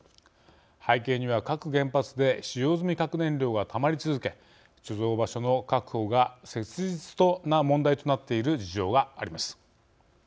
背景には、各原発で使用済み核燃料が、たまり続け貯蔵場所の確保が切実な問題となっている事情があります。